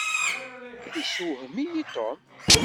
Yessewhem-iyi Tom.